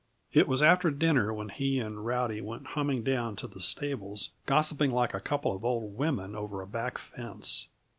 It was after dinner when he and Rowdy went humming down to the stables, gossiping like a couple of old women over a back fence.